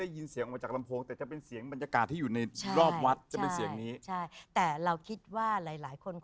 อันนี้มันจะแหลมแหลมเปรี้ยบเลยเสียงแหลมมาก